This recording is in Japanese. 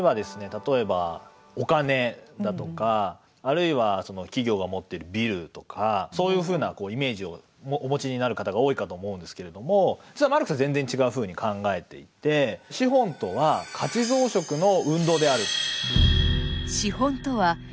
例えばお金だとかあるいは企業が持ってるビルとかそういうふうなイメージをお持ちになる方が多いかと思うんですけれども実はマルクスは全然違うふうに考えていて資本とは価値増殖の運動である。